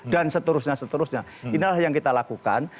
dan seterusnya seterusnya inilah yang kita lakukan